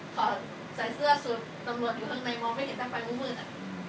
ขอใส่เสื้อสวดตำรวจอยู่ข้างในมองไม่เห็นอ้ำไปมืดอ่ะ